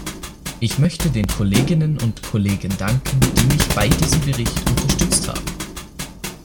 Ich möchte den Kolleginnen und Kollegen danken, die mich bei diesem Bericht unterstützt haben.